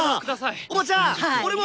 おばちゃん俺も！